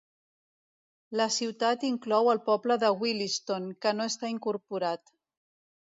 La ciutat inclou el poble de Williston, que no està incorporat.